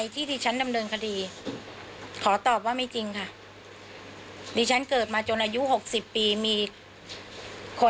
ทั้งนี้อีก